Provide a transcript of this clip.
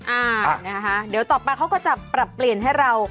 อ่านะคะเดี๋ยวต่อไปเขาก็จะปรับเปลี่ยนให้เรา